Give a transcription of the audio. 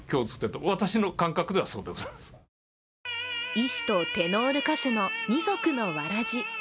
医師とテノール歌手の二足のわらじ。